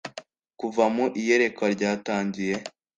Kuva mu iyerekwa ryatangiye